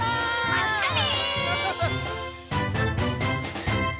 まったね！